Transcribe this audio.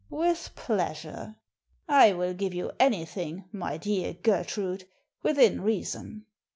"With pleasure. I will give you anything, my dear Gertrude, within reason."